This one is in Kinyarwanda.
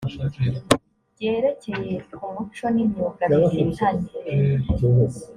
byerekeye ku muco n imyuga bifitanye